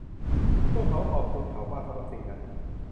พวกเขาขอบคุณเขามากสำหรับสิ่งนั้น